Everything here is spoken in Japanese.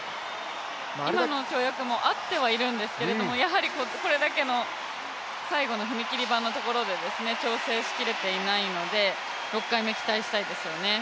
今の跳躍もあってはいるんですけど、最後の踏切板のところで調整しきれていないので、６回目期待したいですよね。